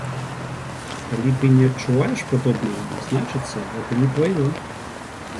Калі ты не адчуваеш падобнага, значыцца, гэта не тваё.